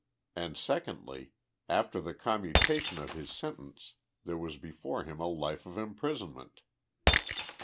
And secondly, after the commutation of his sentence, there was before him a life of imprisonment.